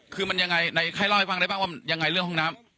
คือมันยังไงให้เล่าให้ฟังได้บ้างว่ายังไงเรื่องห้องน้ำ